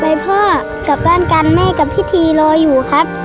ให้พ่อกลับบ้านกันแม่กับพิธีรออยู่ครับ